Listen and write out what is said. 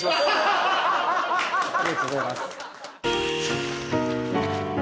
ありがとうございます。